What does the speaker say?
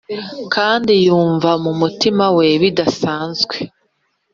kandi yumva mumutima we bidasanzwe,